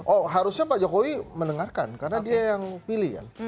oh harusnya pak jokowi mendengarkan karena dia yang pilih kan